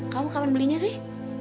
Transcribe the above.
kamu kapan belinya sih